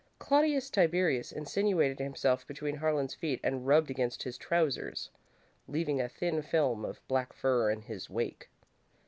Claudius Tiberius insinuated himself between Harlan's feet and rubbed against his trousers, leaving a thin film of black fur in his wake.